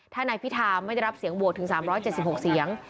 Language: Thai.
ถ้านายพิธาไม่ได้รับเสียงโหวตถึง๓๗๖เสียง